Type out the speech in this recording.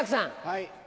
はい。